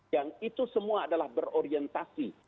yang itu semua adalah berorientasi